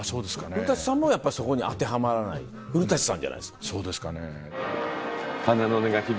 古さんもやっぱそこに当てはまらない古さんじゃないですか。